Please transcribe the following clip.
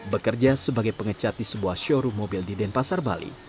bekerja sebagai pengecat di sebuah showroom mobil di denpasar bali